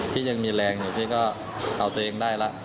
พี่ยังมีแรงอยู่พี่ก็เอาตัวเองได้แล้ว